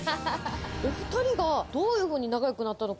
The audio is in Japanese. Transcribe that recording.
お２人がどういうふうに仲良くなったのか？